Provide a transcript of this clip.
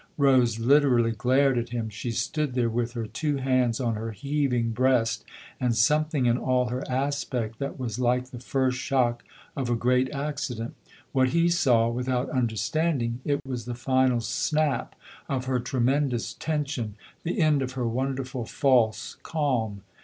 Rose literally glared at him ; she stood there with her two hands on her heaving breast and something in all her aspect that was like the first shock of a great accident. What he saw, without understanding it, was the final snap of her tremendous tension, the end of her wonderful false calm.